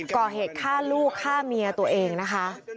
ก่อเหตุฆ่าลูกฆ่าเมียตัวเองนะคะ